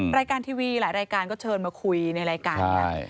รายการทีวีหลายรายการก็เชิญมาคุยในรายการไง